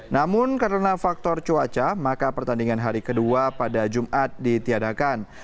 namun karena faktor cuaca maka pertandingan hari kedua pada jumat ditiadakan